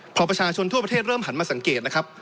พอประชาชนทั่วประเทศเริ่มหันมาสังเกตนะครับ